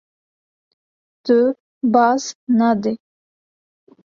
Tu baz nadî.